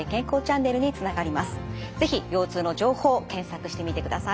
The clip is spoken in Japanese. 是非腰痛の情報を検索してみてください。